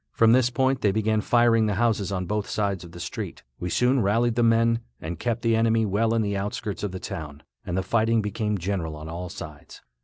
From this point they began firing the houses on both sides of the street. We soon rallied the men, and kept the enemy well in the outskirts of the town, and the fighting became general on all sides.